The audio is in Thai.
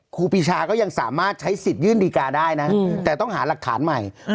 ครูปีชาก็ยังสามารถใช้สิทธิยื่นดีการ์ได้นะแต่ต้องหาหลักฐานใหม่